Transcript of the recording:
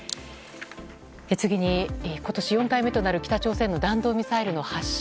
次に、今年４回目となる北朝鮮の弾道ミサイルの発射。